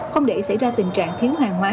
không để xảy ra tình trạng thiếu hàng hóa